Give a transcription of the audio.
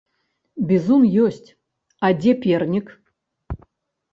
Бізун ёсць, а дзе пернік?